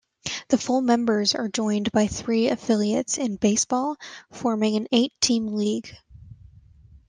The full members are joined by three affiliates in baseball, forming an eight-team league.